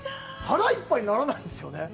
腹いっぱいにならないんですよね。